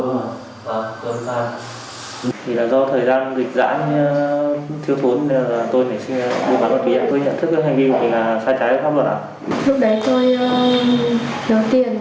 vâng vâng vâng